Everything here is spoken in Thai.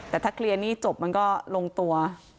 แต่ถ้าเคลียร์หนี้จบมันก็ลงตัว